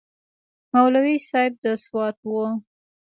مولوي صاحب د سوات و.